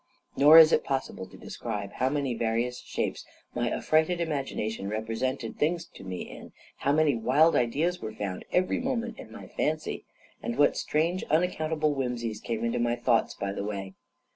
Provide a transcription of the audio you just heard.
Nor is it possible to describe how many various shapes my affrighted imagination represented things to me in, how many wild ideas were found every moment in my fancy, and what strange, unaccountable whimsies came into my thoughts by the way.